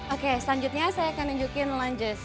oke selanjutnya saya akan nunjukin lunges